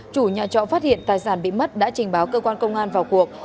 chủ nhà trọ phát hiện tài sản bị mất đã trình báo cơ quan công an vào cuộc